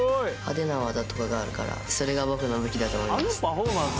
派手な技とかがあるからそれが僕の武器だと思います。